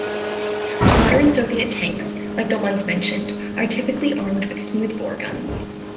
Modern Soviet tanks, like the ones mentioned, are typically armed with smooth bore guns.